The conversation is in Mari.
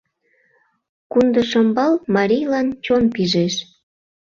Кундышымбал марийлан чон пижеш.